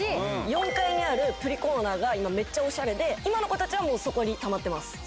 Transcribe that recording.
４階にあるプリコーナーが今めっちゃオシャレで今の子たちはそこにたまってます。